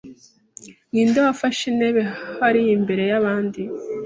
Ninde wafashe intebe hariya imbere yabandi